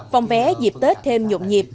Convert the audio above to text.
phòng vé dịp tết thêm nhuộm